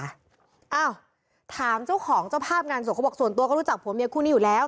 อ้าวถามเจ้าของเจ้าภาพงานศพเขาบอกส่วนตัวก็รู้จักผัวเมียคู่นี้อยู่แล้ว